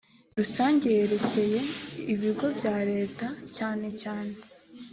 rusange yerekeye ibigo bya leta cyane cyane